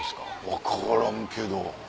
分からんけど。